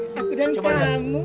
ini aku dan kamu